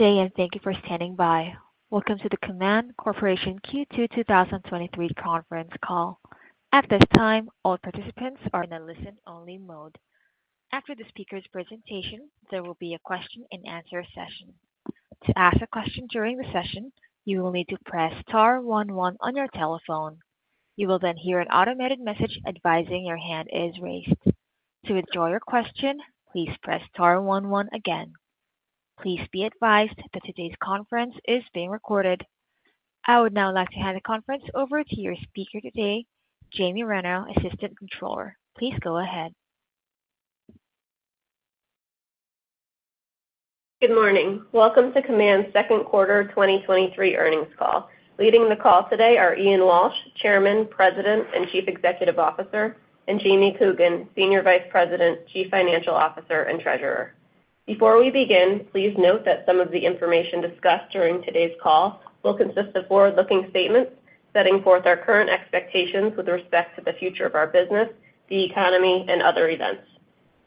Good day, thank you for standing by. Welcome to the Kaman Corporation Q2 2023 Conference Call. At this time, all participants are in a listen-only mode. After the speaker's presentation, there will be a question-and-answer session. To ask a question during the session, you will need to press star one one on your telephone. You will then hear an automated message advising your hand is raised. To withdraw your question, please press star one one again. Please be advised that today's conference is being recorded. I would now like to hand the conference over to your speaker today, Jamie Ranno, Assistant Controller. Please go ahead. Good morning. Welcome to Kaman's Second Quarter 2023 Earnings Call. Leading the call today are Ian Walsh, Chairman, President, and Chief Executive Officer, and Jamie Coogan, Senior Vice President, Chief Financial Officer, and Treasurer. Before we begin, please note that some of the information discussed during today's call will consist of forward-looking statements, setting forth our current expectations with respect to the future of our business, the economy, and other events.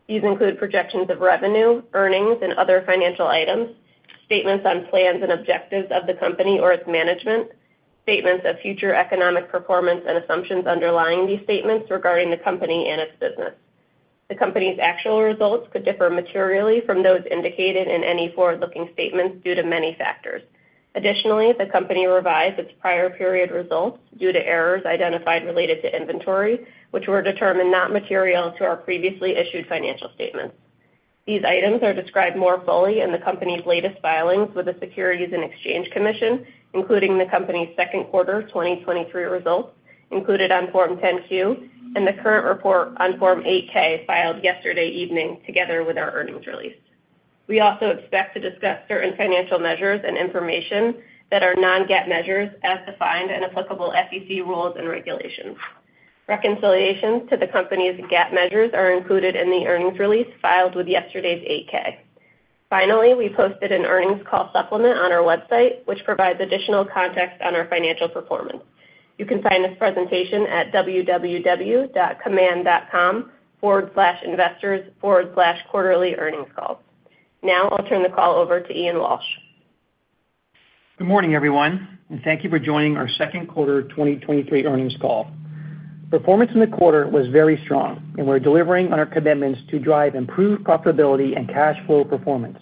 These include projections of revenue, earnings, and other financial items, statements on plans and objectives of the company or its management, statements of future economic performance and assumptions underlying these statements regarding the company and its business. The company's actual results could differ materially from those indicated in any forward-looking statements due to many factors. Additionally, the company revised its prior period results due to errors identified related to inventory, which were determined not material to our previously issued financial statements. These items are described more fully in the company's latest filings with the Securities and Exchange Commission, including the company's second quarter 2023 results, included on Form 10-Q, and the current report on Form 8-K, filed yesterday evening, together with our earnings release. We also expect to discuss certain financial measures and information that are non-GAAP measures, as defined in applicable SEC rules and regulations. Reconciliations to the company's GAAP measures are included in the earnings release filed with yesterday's 8-K. Finally, we posted an earnings call supplement on our website, which provides additional context on our financial performance. You can find this presentation at www.kaman.com/investors/quarterly-earnings-calls. I'll turn the call over to Ian Walsh. Good morning, everyone, and thank you for joining our Second Quarter 2023 Earnings Call. Performance in the quarter was very strong, and we're delivering on our commitments to drive improved profitability and cash flow performance.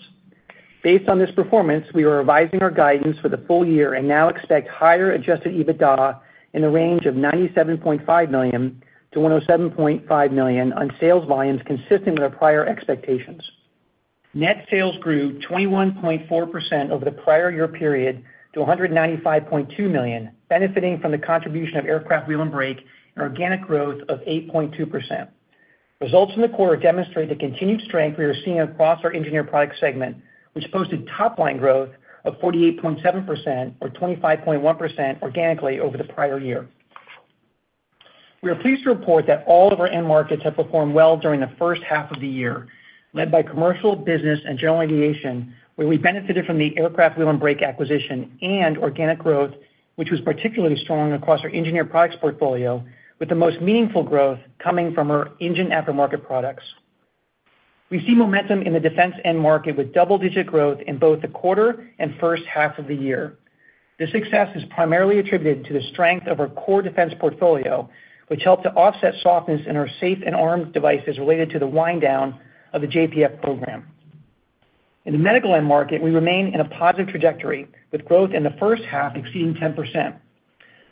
Based on this performance, we are revising our guidance for the full year and now expect higher adjusted EBITDA in the range of $97.5 million-$107.5 million on sales volumes consistent with our prior expectations. Net sales grew 21.4% over the prior year period to $195.2 million, benefiting from the contribution of Aircraft Wheel & Brake and organic growth of 8.2%. Results in the quarter demonstrate the continued strength we are seeing across our Engineered Products segment, which posted top-line growth of 48.7% or 25.1% organically over the prior year. We are pleased to report that all of our end markets have performed well during the first half of the year, led by commercial business and general aviation, where we benefited from the Aircraft Wheel & Brake acquisition and organic growth, which was particularly strong across our Engineered Products portfolio, with the most meaningful growth coming from our engine aftermarket products. We see momentum in the defense end market, with double-digit growth in both the quarter and first half of the year. This success is primarily attributed to the strength of our core defense portfolio, which helped to offset softness in our safe and arm devices related to the wind down of the JPF program. In the medical end market, we remain in a positive trajectory, with growth in the first half exceeding 10%.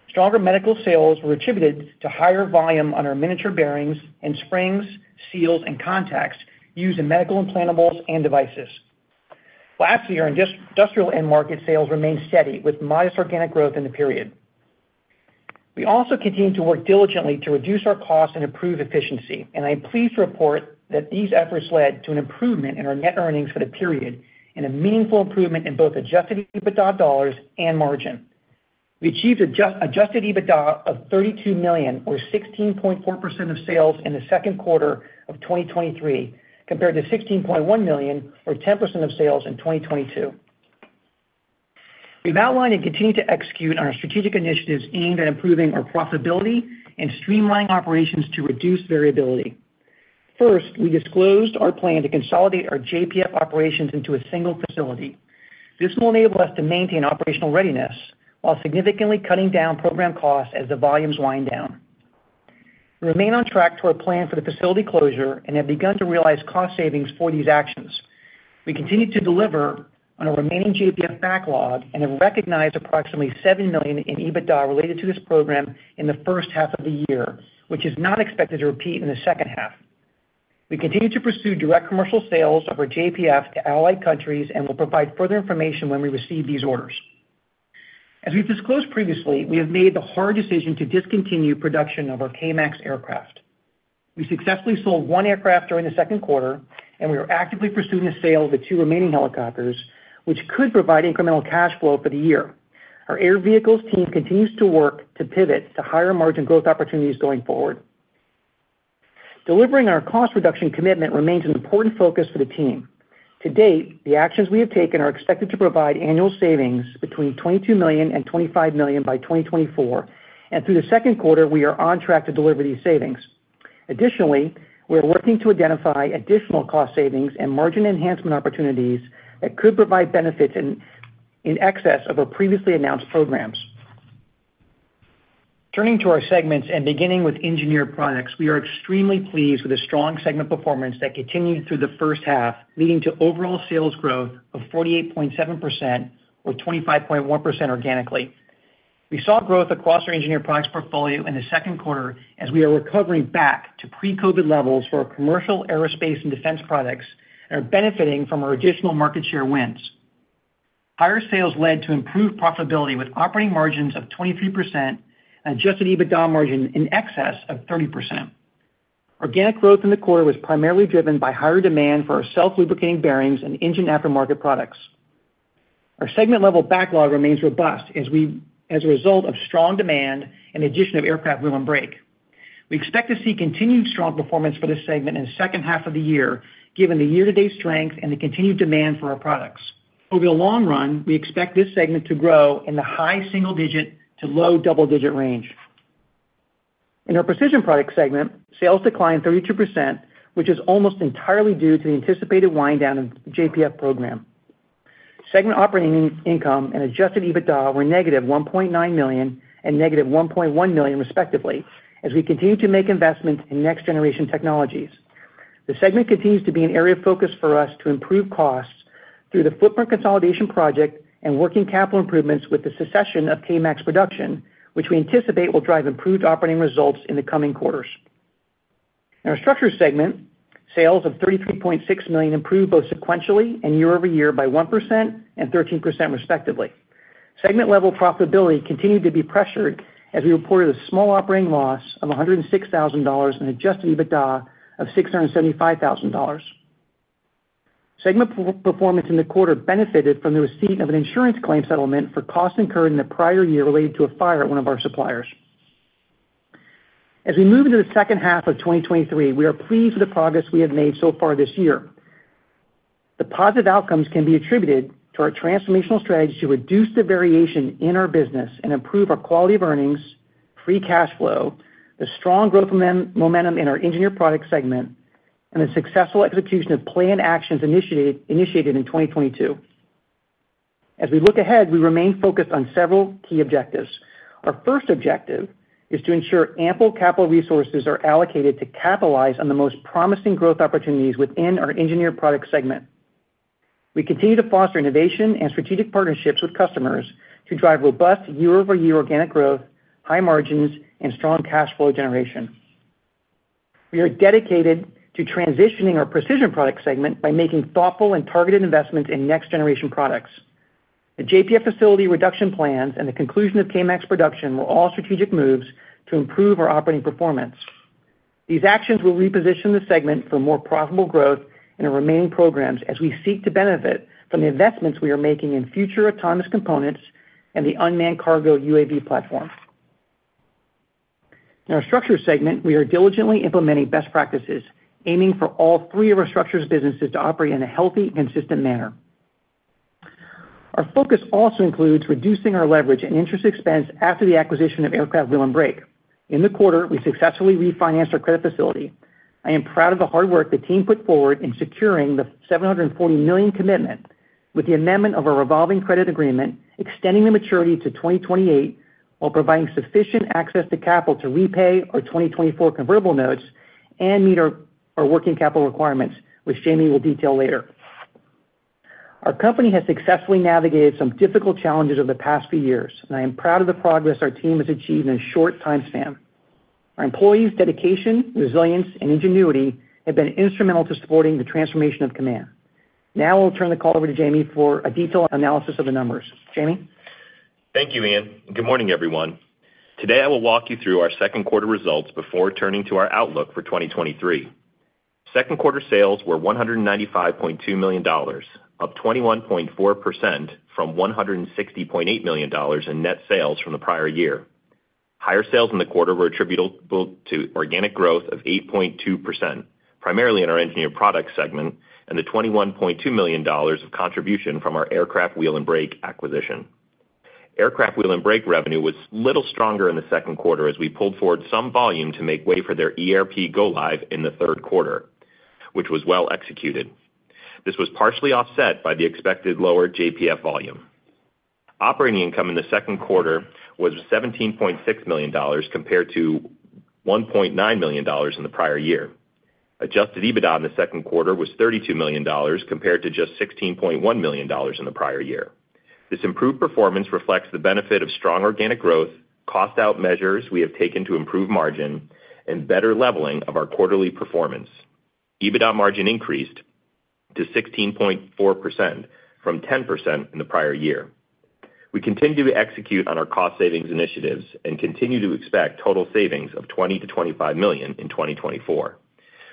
Stronger medical sales were attributed to higher volume on our miniature bearings and springs, seals, and contacts used in medical implantables and devices. Lastly, our industrial end market sales remained steady with modest organic growth in the period. We also continue to work diligently to reduce our costs and improve efficiency, and I'm pleased to report that these efforts led to an improvement in our net earnings for the period and a meaningful improvement in both adjusted EBITDA dollars and margin. We achieved adjusted EBITDA of $32 million, or 16.4% of sales, in the second quarter of 2023, compared to $16.1 million, or 10% of sales in 2022. We've outlined and continued to execute on our strategic initiatives aimed at improving our profitability and streamlining operations to reduce variability. First, we disclosed our plan to consolidate our JPF operations into a single facility. This will enable us to maintain operational readiness while significantly cutting down program costs as the volumes wind down. We remain on track to our plan for the facility closure and have begun to realize cost savings for these actions. We continue to deliver on our remaining JPF backlog and have recognized approximately $70 million in EBITDA related to this program in the first half of the year, which is not expected to repeat in the second half. We continue to pursue direct commercial sales of our JPF to allied countries and will provide further information when we receive these orders. As we've disclosed previously, we have made the hard decision to discontinue production of our K-MAX aircraft. We successfully sold one aircraft during the second quarter, and we are actively pursuing the sale of the two remaining helicopters, which could provide incremental cash flow for the year. Our Air Vehicles team continues to work to pivot to higher margin growth opportunities going forward. Delivering our cost reduction commitment remains an important focus for the team. To date, the actions we have taken are expected to provide annual savings between $22 million and $25 million by 2024, and through the second quarter, we are on track to deliver these savings. We are working to identify additional cost savings and margin enhancement opportunities that could provide benefits in excess of our previously announced programs. Turning to our segments and beginning with Engineered Products, we are extremely pleased with the strong segment performance that continued through the first half, leading to overall sales growth of 48.7%, or 25.1% organically. We saw growth across our Engineered Products portfolio in the second quarter, as we are recovering back to pre-COVID levels for our commercial, aerospace, and defense products, and are benefiting from our additional market share wins. Higher sales led to improved profitability, with operating margins of 23% and adjusted EBITDA margin in excess of 30%. Organic growth in the quarter was primarily driven by higher demand for our self-lubricating bearings and engine aftermarket products. Our segment-level backlog remains robust as a result of strong demand and addition of Aircraft Wheel & Brake. We expect to see continued strong performance for this segment in the second half of the year, given the year-to-date strength and the continued demand for our products. Over the long run, we expect this segment to grow in the high single-digit to low double-digit range. In our Precision Products segment, sales declined 32%, which is almost entirely due to the anticipated wind down of JPF program. Segment operating income and Adjusted EBITDA were -$1.9 million and -$1.1 million, respectively, as we continue to make investments in next-generation technologies. The segment continues to be an area of focus for us to improve costs through the footprint consolidation project and working capital improvements with the cessation of K-MAX production, which we anticipate will drive improved operating results in the coming quarters. In our Structures segment, sales of $33.6 million improved both sequentially and year-over-year by 1% and 13%, respectively. Segment-level profitability continued to be pressured, as we reported a small operating loss of $106,000 and adjusted EBITDA of $675,000. Segment performance in the quarter benefited from the receipt of an insurance claim settlement for costs incurred in the prior year related to a fire at one of our suppliers. As we move into the second half of 2023, we are pleased with the progress we have made so far this year. The positive outcomes can be attributed to our transformational strategy to reduce the variation in our business and improve our quality of earnings, free cash flow, the strong growth momentum in our Engineered Products segment, and the successful execution of planned actions initiated in 2022. As we look ahead, we remain focused on several key objectives. Our first objective is to ensure ample capital resources are allocated to capitalize on the most promising growth opportunities within our Engineered Products segment. We continue to foster innovation and strategic partnerships with customers to drive robust year-over-year organic growth, high margins, and strong cash flow generation. We are dedicated to transitioning our Precision Products segment by making thoughtful and targeted investments in next-generation products. The JPF facility reduction plans and the conclusion of K-MAX production were all strategic moves to improve our operating performance. These actions will reposition the segment for more profitable growth in our remaining programs as we seek to benefit from the investments we are making in future autonomous components and the unmanned KARGO UAV platform. In our Structures segment, we are diligently implementing best practices, aiming for all three of our Structures businesses to operate in a healthy and consistent manner. Our focus also includes reducing our leverage and interest expense after the acquisition of Aircraft Wheel & Brake. In the quarter, we successfully refinanced our credit facility. I am proud of the hard work the team put forward in securing the $740 million commitment with the amendment of our revolving credit agreement, extending the maturity to 2028, while providing sufficient access to capital to repay our 2024 convertible notes and meet our working capital requirements, which Jamie will detail later. Our company has successfully navigated some difficult challenges over the past few years, and I am proud of the progress our team has achieved in a short time span. Our employees' dedication, resilience, and ingenuity have been instrumental to supporting the transformation of Kaman. Now I'll turn the call over to Jamie for a detailed analysis of the numbers. Jamie? Thank you, Ian. Good morning, everyone. Today, I will walk you through our second quarter results before turning to our outlook for 2023. Second-quarter sales were $195.2 million, up 21.4% from $160.8 million in net sales from the prior year. Higher sales in the quarter were attributable to organic growth of 8.2%, primarily in our Engineered Products segment, and the $21.2 million of contribution from our Aircraft Wheel & Brake acquisition. Aircraft Wheel & Brake revenue was little stronger in the second quarter as we pulled forward some volume to make way for their ERP go-live in the third quarter, which was well executed. This was partially offset by the expected lower JPF volume. Operating income in the second quarter was $17.6 million, compared to $1.9 million in the prior year. Adjusted EBITDA in the second quarter was $32 million, compared to just $16.1 million in the prior year. This improved performance reflects the benefit of strong organic growth, cost-out measures we have taken to improve margin, and better leveling of our quarterly performance. EBITDA margin increased to 16.4% from 10% in the prior year. We continue to execute on our cost savings initiatives and continue to expect total savings of $20 million-$25 million in 2024,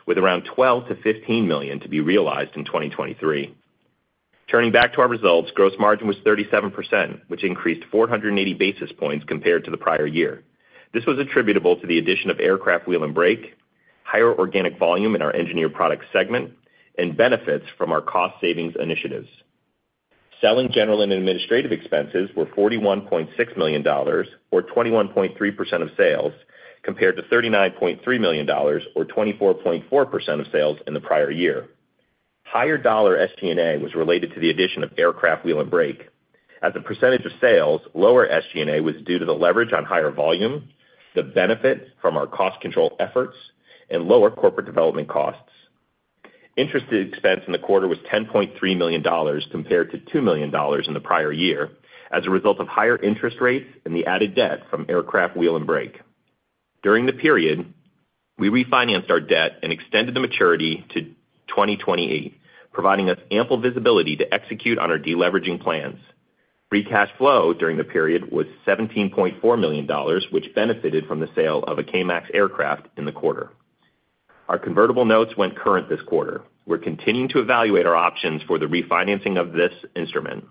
with around $12 million-$15 million to be realized in 2023. Turning back to our results, gross margin was 37%, which increased 480 basis points compared to the prior year. This was attributable to the addition of Aircraft Wheel & Brake, higher organic volume in our Engineered Products segment, and benefits from our cost savings initiatives. Selling, general and administrative expenses were $41.6 million, or 21.3% of sales, compared to $39.3 million, or 24.4% of sales in the prior year. Higher dollar SG&A was related to the addition of Aircraft Wheel & Brake. As a percentage of sales, lower SG&A was due to the leverage on higher volume, the benefit from our cost control efforts, and lower corporate development costs. Interest expense in the quarter was $10.3 million compared to $2 million in the prior year, as a result of higher interest rates and the added debt from Aircraft Wheel & Brake. During the period, we refinanced our debt and extended the maturity to 2028, providing us ample visibility to execute on our deleveraging plans. Free cash flow during the period was $17.4 million, which benefited from the sale of a K-MAX aircraft in the quarter. Our convertible notes went current this quarter. We're continuing to evaluate our options for the refinancing of this instrument.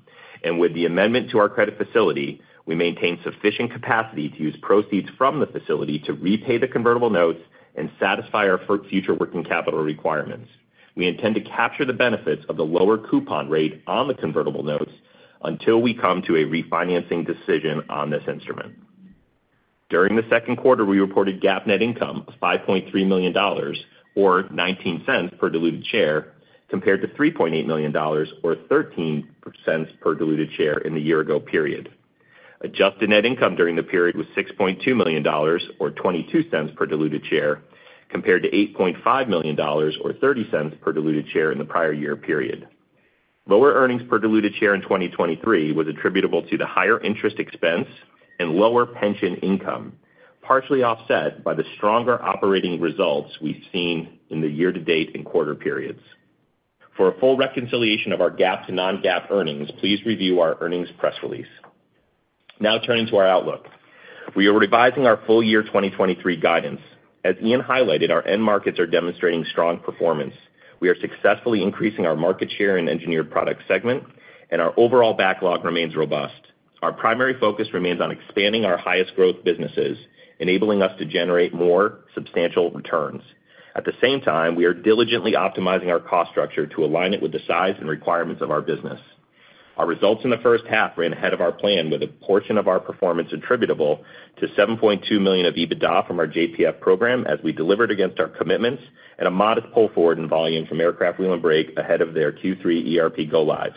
With the amendment to our credit facility, we maintain sufficient capacity to use proceeds from the facility to repay the convertible notes and satisfy our future working capital requirements. We intend to capture the benefits of the lower coupon rate on the convertible notes until we come to a refinancing decision on this instrument. During the second quarter, we reported GAAP net income of $5.3 million, or $0.19 per diluted share, compared to $3.8 million or $0.13 per diluted share in the year ago period. Adjusted net income during the period was $6.2 million, or $0.22 per diluted share, compared to $8.5 million, or $0.30 per diluted share in the prior year period. Lower earnings per diluted share in 2023 was attributable to the higher interest expense and lower pension income, partially offset by the stronger operating results we've seen in the year to date and quarter periods. For a full reconciliation of our GAAP to non-GAAP earnings, please review our earnings press release. Turning to our outlook. We are revising our full year 2023 guidance. As Ian highlighted, our end markets are demonstrating strong performance. Kaman are successfully increasing our market share in Engineered Products segment, and our overall backlog remains robust. Our primary focus remains on expanding our highest growth businesses, enabling us to generate more substantial returns. At the same time, we are diligently optimizing our cost structure to align it with the size and requirements of our business. Our results in the first half ran ahead of our plan, with a portion of our performance attributable to $7.2 million of EBITDA from our JPF program as we delivered against our commitments, and a modest pull forward in volume from Aircraft Wheel & Brake ahead of their Q3 ERP go-live.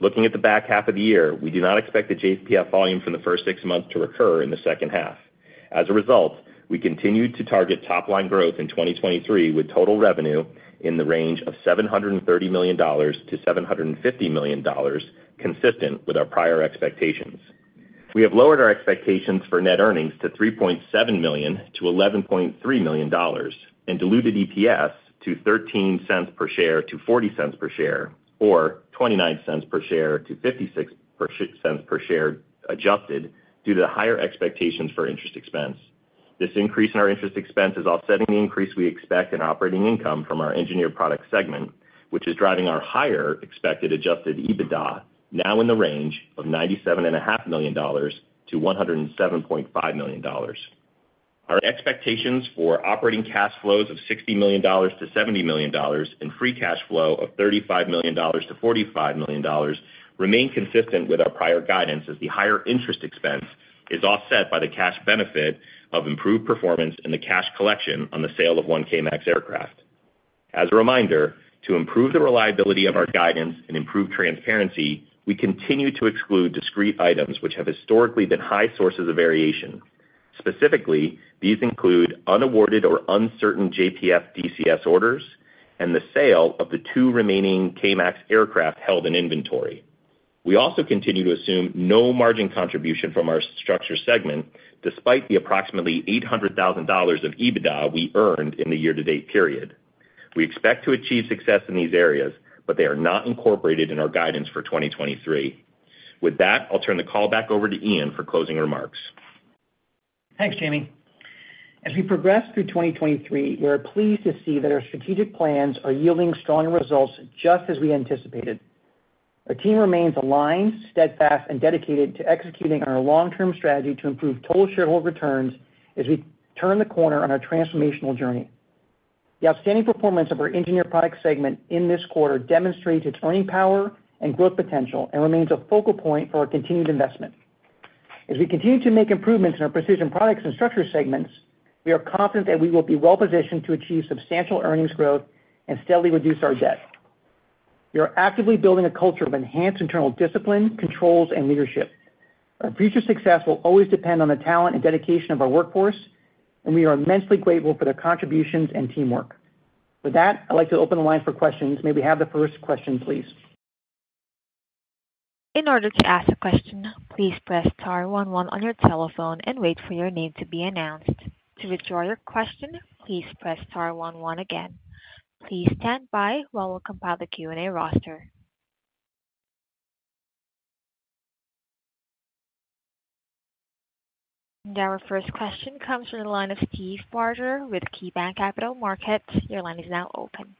Looking at the back half of the year, we do not expect the JPF volume from the first six months to recur in the second half. As a result, we continue to target top line growth in 2023, with total revenue in the range of $730 million-$750 million, consistent with our prior expectations. We have lowered our expectations for net earnings to $3.7 million-$11.3 million, and diluted EPS to $0.13 per share-$0.40 per share, or $0.29 per share-$0.56 per share, adjusted due to the higher expectations for interest expense. This increase in our interest expense is offsetting the increase we expect in operating income from our Engineered Products segment, which is driving our higher expected adjusted EBITDA, now in the range of $97.5 million-$107.5 million. Our expectations for operating cash flows of $60 million-$70 million, and free cash flow of $35 million-$45 million remain consistent with our prior guidance, as the higher interest expense is offset by the cash benefit of improved performance and the cash collection on the sale of one K-MAX aircraft. As a reminder, to improve the reliability of our guidance and improve transparency, we continue to exclude discrete items which have historically been high sources of variation. Specifically, these include unawarded or uncertain JPF DCS orders and the sale of the two remaining K-MAX aircraft held in inventory. We also continue to assume no margin contribution from our Structures segment, despite the approximately $800,000 of EBITDA we earned in the year-to-date period. We expect to achieve success in these areas, but they are not incorporated in our guidance for 2023. With that, I'll turn the call back over to Ian for closing remarks. Thanks, Jamie. As we progress through 2023, we are pleased to see that our strategic plans are yielding strong results, just as we anticipated. Our team remains aligned, steadfast, and dedicated to executing on our long-term strategy to improve total shareholder returns as we turn the corner on our transformational journey. The outstanding performance of our Engineered Products segment in this quarter demonstrates its earning power and growth potential and remains a focal point for our continued investment. As we continue to make improvements in our Precision Products and Structures segments, we are confident that we will be well positioned to achieve substantial earnings growth and steadily reduce our debt. We are actively building a culture of enhanced internal discipline, controls, and leadership. Our future success will always depend on the talent and dedication of our workforce, and we are immensely grateful for their contributions and teamwork. With that, I'd like to open the line for questions. May we have the first question, please? In order to ask a question, please press star one one on your telephone and wait for your name to be announced. To withdraw your question, please press star one one again. Please stand by while we compile the Q&A roster. Our first question comes from the line of Steve Barger with KeyBanc Capital Markets. Your line is now open.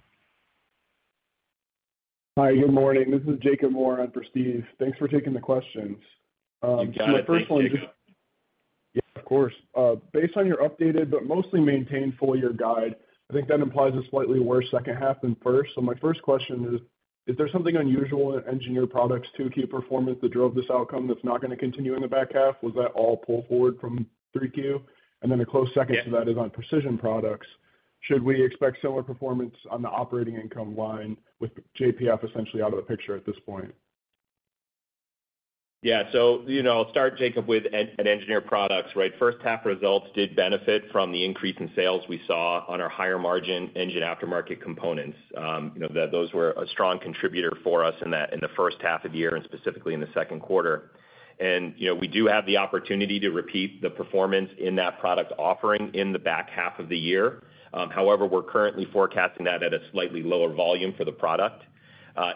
Hi, good morning. This is Jacob Moore in for Steve. Thanks for taking the questions. You got it. Thanks, Jacob. Yeah, of course. Based on your updated but mostly maintained full year guide, I think that implies a slightly worse second half than first. My first question is: Is there something unusual in Engineered Products, 2Q performance that drove this outcome that's not gonna continue in the back half? Was that all pull forward from 3Q? A close second to that is on Precision Products. Should we expect similar performance on the operating income line with JPF essentially out of the picture at this point? Yeah. You know, I'll start, Jacob, at Engineered Products, right? First half results did benefit from the increase in sales we saw on our higher margin engine aftermarket components. You know, that those were a strong contributor for us in that, in the first half of the year, and specifically in the second quarter. You know, we do have the opportunity to repeat the performance in that product offering in the back half of the year. However, we're currently forecasting that at a slightly lower volume for the product.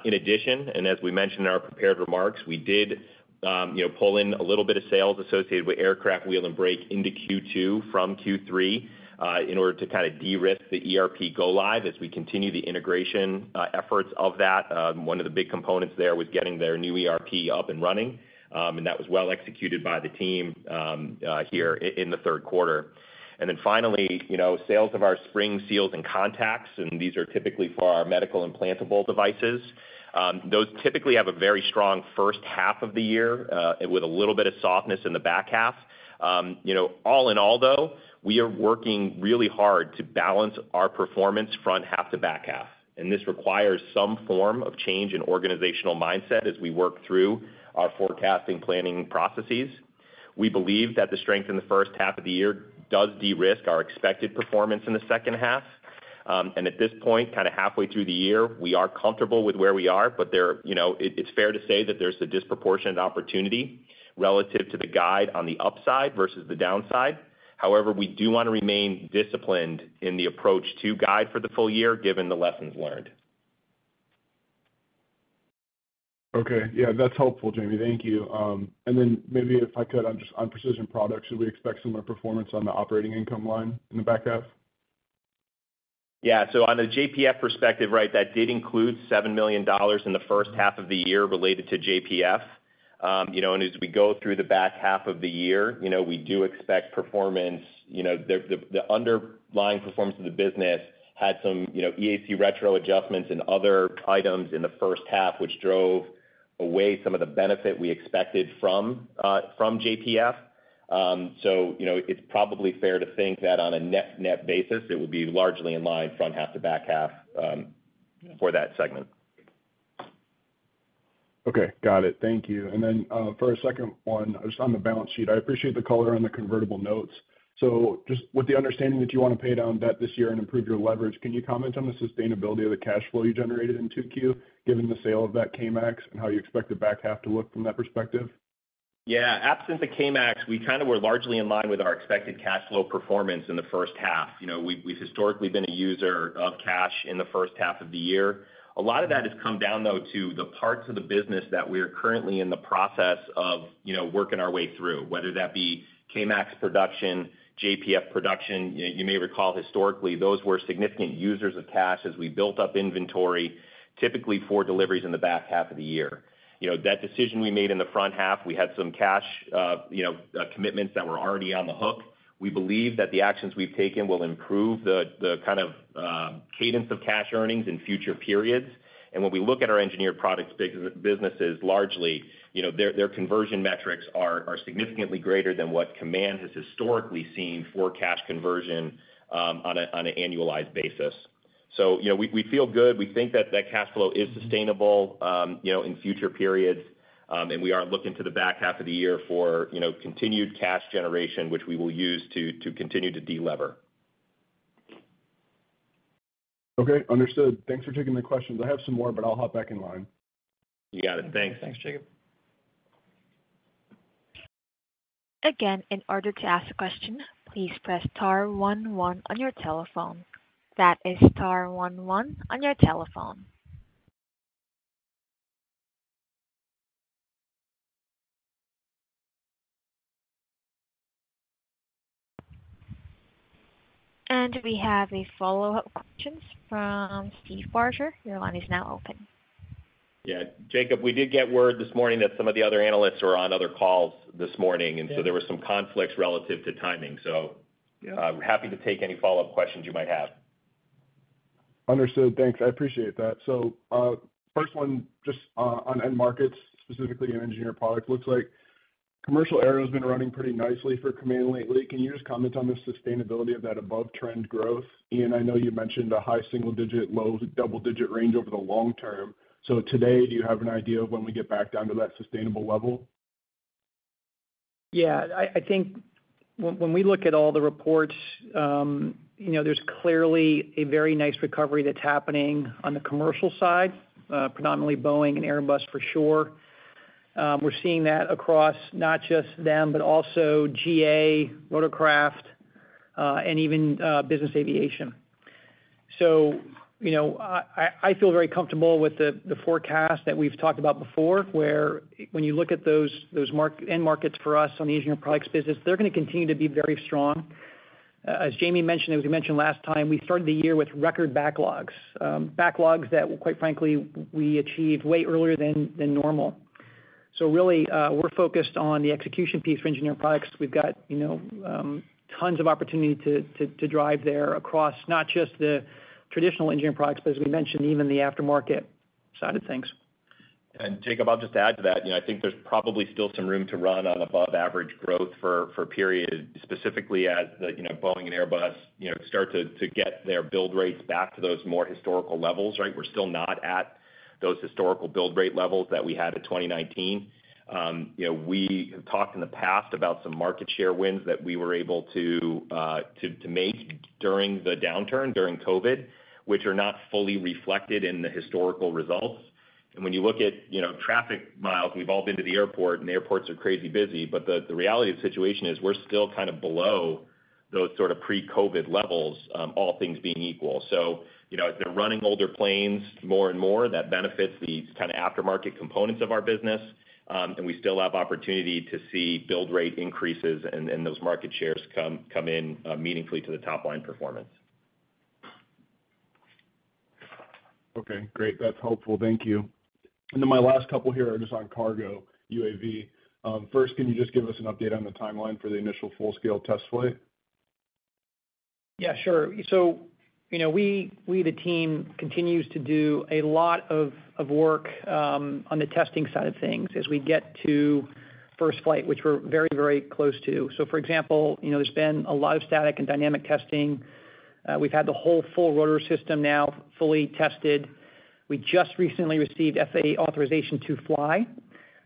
In addition, and as we mentioned in our prepared remarks, we did, you know, pull in a little bit of sales associated with Aircraft Wheel & Brake into Q2 from Q3 in order to kind of de-risk the ERP go-live as we continue the integration efforts of that. One of the big components there was getting their new ERP up and running, and that was well executed by the team, here in the third quarter. Finally, you know, sales of our spring, seals, and contacts, and these are typically for our medical implantable devices, those typically have a very strong first half of the year, with a little bit of softness in the back half. You know, all in all, though, we are working really hard to balance our performance front half to back half, and this requires some form of change in organizational mindset as we work through our forecasting planning processes. We believe that the strength in the first half of the year does de-risk our expected performance in the second half. At this point, kind of halfway through the year, we are comfortable with where we are, but there, you know, it, it's fair to say that there's a disproportionate opportunity relative to the guide on the upside versus the downside. However, we do want to remain disciplined in the approach to guide for the full year, given the lessons learned. Okay. Yeah, that's helpful, Jamie. Thank you. Then maybe if I could on just, on Precision Products, should we expect similar performance on the operating income line in the back half? Yeah. On the JPF perspective, right, that did include $7 million in the first half of the year related to JPF. You know, as we go through the back half of the year, you know, we do expect performance. You know, the, the, the underlying performance of the business had some, you know, EAC retro adjustments and other items in the first half, which drove away some of the benefit we expected from JPF. You know, it's probably fair to think that on a net-net basis, it would be largely in line front half to back half for that segment. Okay, got it. Thank you. Then, for our second one, just on the balance sheet. I appreciate the color on the convertible notes. Just with the understanding that you want to pay down debt this year and improve your leverage, can you comment on the sustainability of the cash flow you generated in 2Q, given the sale of that K-MAX, and how you expect the back half to look from that perspective? Yeah. Absent the K-MAX, we kind of were largely in line with our expected cash flow performance in the first half. You know, we've, we've historically been a user of cash in the first half of the year. A lot of that has come down, though, to the parts of the business that we are currently in the process of, you know, working our way through, whether that be K-MAX production, JPF production. You, you may recall, historically, those were significant users of cash as we built up inventory, typically for deliveries in the back half of the year. You know, that decision we made in the front half, we had some cash, you know, commitments that were already on the hook. We believe that the actions we've taken will improve the, the kind of, cadence of cash earnings in future periods. When we look at our Engineered Products businesses largely, you know, their, their conversion metrics are, are significantly greater than what Kaman has historically seen for cash conversion, on an annualized basis. You know, we, we feel good. We think that that cash flow is sustainable, you know, in future periods. We are looking to the back half of the year for, you know, continued cash generation, which we will use to, to continue to de-lever. Okay, understood. Thanks for taking my questions. I have some more, but I'll hop back in line. You got it. Thanks. Thanks, Jacob. Again, in order to ask a question, please press star one one on your telephone. That is star one one on your telephone. We have a follow-up questions from Steve Barger. Your line is now open. Yeah, Jacob, we did get word this morning that some of the other analysts are on other calls this morning, so there were some conflicts relative to timing. Happy to take any follow-up questions you might have. Understood. Thanks, I appreciate that. First one, just on end markets, specifically in Engineered Products. Looks like commercial aero has been running pretty nicely for Kaman lately. Can you just comment on the sustainability of that above trend growth? Ian, I know you mentioned a high single digit, low double digit range over the long term. Today, do you have an idea of when we get back down to that sustainable level? Yeah. I, I think when we look at all the reports, you know, there's clearly a very nice recovery that's happening on the commercial side, predominantly Boeing and Airbus, for sure. We're seeing that across not just them, but also GA, rotorcraft, and even business aviation. You know, I, I, I feel very comfortable with the, the forecast that we've talked about before, where when you look at those, those end markets for us on the Engineered Products business, they're gonna continue to be very strong. As Jamie mentioned, as we mentioned last time, we started the year with record backlogs. Backlogs that, quite frankly, we achieved way earlier than normal. Really, we're focused on the execution piece for Engineered Products. We've got, you know, tons of opportunity to, to, to drive there across not just the traditional Engineered Products, but as we mentioned, even the aftermarket side of things. Jacob, I'll just add to that. You know, I think there's probably still some room to run on above average growth for, for a period, specifically as the, you know, Boeing and Airbus, you know, start to, to get their build rates back to those more historical levels, right? We're still not at those historical build rate levels that we had in 2019. You know, we have talked in the past about some market share wins that we were able to, to, to make during the downturn, during COVID, which are not fully reflected in the historical results. When you look at, you know, traffic miles, we've all been to the airport, and the airports are crazy busy, but the, the reality of the situation is we're still kind of below those sort of pre-COVID levels, all things being equal. You know, if they're running older planes more and more, that benefits the kind of aftermarket components of our business, and we still have opportunity to see build rate increases and, and those market shares come, come in meaningfully to the top-line performance. Okay, great. That's helpful. Thank you. Then my last couple here are just on KARGO UAV. First, can you just give us an update on the timeline for the initial full-scale test flight? Yeah, sure. You know, we, we, the team, continues to do a lot of, of work, on the testing side of things as we get to first flight, which we're very, very close to. For example, you know, there's been a lot of static and dynamic testing. We've had the whole full rotor system now fully tested. We just recently received FAA authorization to fly.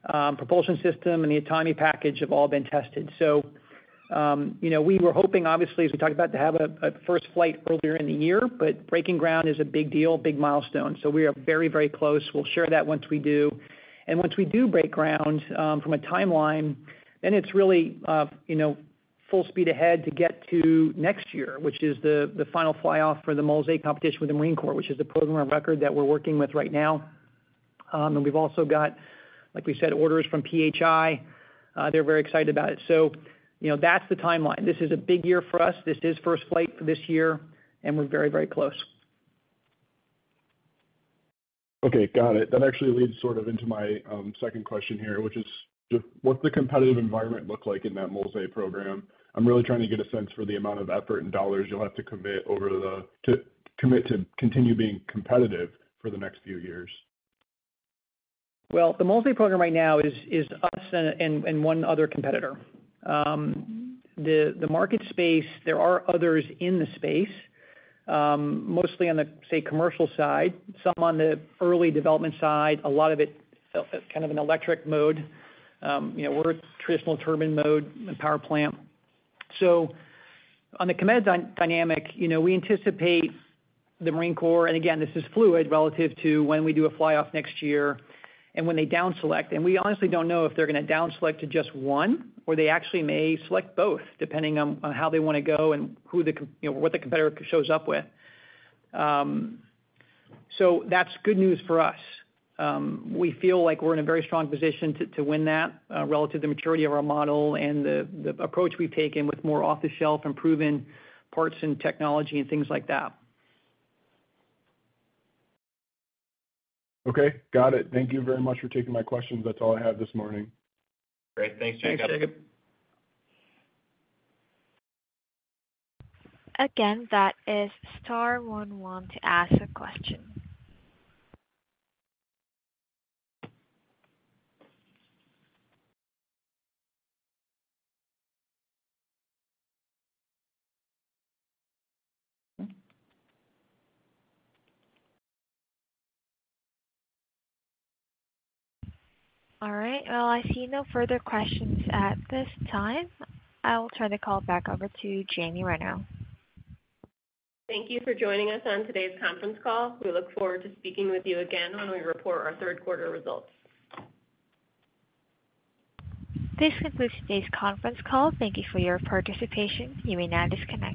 Propulsion system and the autonomy package have all been tested. You know, we were hoping, obviously, as we talked about, to have a, a first flight earlier in the year, but breaking ground is a big deal, big milestone, so we are very, very close. We'll share that once we do. Once we do break ground, from a timeline, then it's really, you know, full speed ahead to get to next year, which is the, the final fly off for the MOSA competition with the Marine Corps, which is the program of record that we're working with right now. We've also got, like we said, orders from PHI. They're very excited about it. You know, that's the timeline. This is a big year for us. This is first flight for this year, and we're very, very close. Okay, got it. That actually leads sort of into my second question here, which is, just what's the competitive environment look like in that MOSA program? I'm really trying to get a sense for the amount of effort and dollars you'll have to commit to continue being competitive for the next few years. Well, the MOSA program right now is, is us and, and, and one other competitor. The market space, there are others in the space, mostly on the, say, commercial side, some on the early development side, a lot of it kind of an electric mode. you know, we're a traditional turbine mode and power plant. On the competitive dynamic, you know, we anticipate the Marine Corps, and again, this is fluid relative to when we do a fly off next year and when they down select, and we honestly don't know if they're gonna down select to just one, or they actually may select both, depending on, on how they wanna go and who the competitor shows up with. That's good news for us. We feel like we're in a very strong position to, to win that, relative to the maturity of our model and the, the approach we've taken with more off-the-shelf and proven parts and technology and things like that. Okay, got it. Thank you very much for taking my questions. That's all I have this morning. Great. Thanks, Jacob. Thanks, Jacob. Again, that is star one one to ask a question. All right, well, I see no further questions at this time. I will turn the call back over to Jamie Ranno. Thank you for joining us on today's conference call. We look forward to speaking with you again when we report our third quarter results. This concludes today's conference call. Thank you for your participation. You may now disconnect.